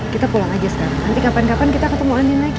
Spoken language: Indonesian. kita pulang aja sekarang nanti kapan kapan kita ketemu andien lagi